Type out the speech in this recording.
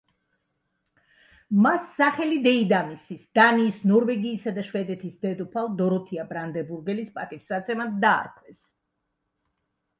მას სახელი დეიდამისის, დანიის, ნორვეგიისა და შვედეთის დედოფალ დოროთეა ბრანდენბურგელის პატივსაცემად დაარქვეს.